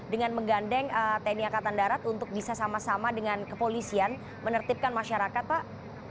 dengan menggandeng tni angkatan darat untuk bisa sama sama dengan kepolisian menertibkan masyarakat pak